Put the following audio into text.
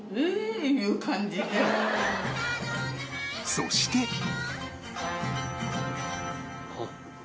そしてあっ。